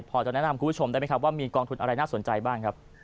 พอจะแนะนำคุณผู้ชมได้ไหมครับว่ามีกองทุนอะไรน่าสนใจบ้างครับ